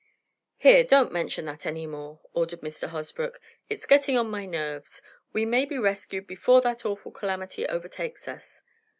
"Here! Don't mention that any more," ordered Mr. Hosbrook. "It's getting on my nerves! We may be rescued before that awful calamity overtakes us."